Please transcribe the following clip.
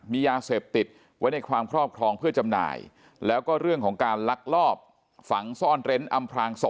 มียาเสพติดไว้ในความครอบครองเพื่อจำหน่ายแล้วก็เรื่องของการลักลอบฝังซ่อนเร้นอำพลางศพ